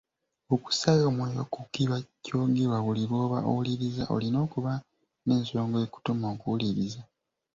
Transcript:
Okussaayo omwoyo ku kiba kyogerwa, buli lw’oba owuliriza olina okuba n’ensonga okutuma okuwuliriza .